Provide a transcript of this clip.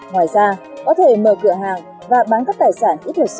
ngoài ra có thể mở cửa hàng và bán các tài sản kỹ thuật số cho người dình